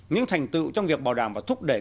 những thành tựu trong việc bảo đảm và thúc đẩy